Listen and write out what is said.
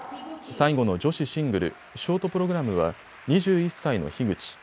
最後の女子シングルショートプログラムは２１歳の樋口。